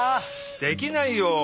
できないよ。